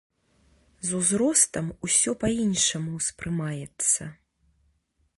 З узростам усё па-іншаму ўспрымаецца.